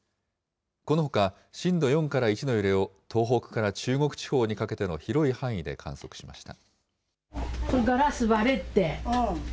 このほか、震度４から１の揺れを東北から中国地方にかけての広い範囲で観測しました。